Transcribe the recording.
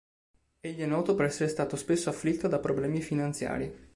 Egli è noto per essere stato spesso afflitto da problemi finanziari.